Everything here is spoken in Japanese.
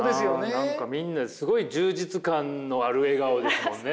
何かみんなすごい充実感のある笑顔ですもんね。